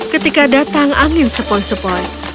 ketika datang angin sepoi sepoi